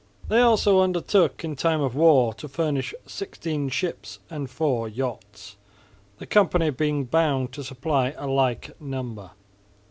They also undertook in time of war to furnish sixteen ships and four yachts, the company being bound to supply a like number.